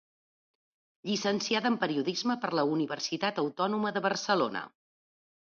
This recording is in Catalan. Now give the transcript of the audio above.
Llicenciada en periodisme per la Universitat Autònoma de Barcelona.